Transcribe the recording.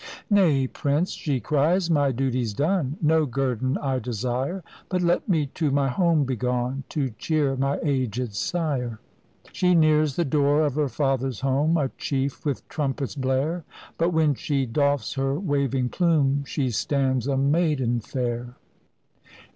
"Nay, prince," she cries, "my duty 's done, No guerdon I desire; But let me to my home begone, To cheer my aged sire." She nears the door of her father's home, A chief with trumpet's blare; But when she doffs her waving plume. She stands a maiden fair.